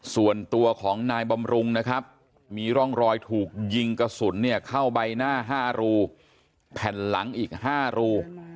ส่วนตัวของนายบำรุงนะครับมีร่องรอยถูกยิงกระสุนเนี่ยเข้าใบหน้า๕รูแผ่นหลังอีก๕รู